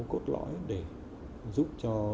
cốt lõi để giúp cho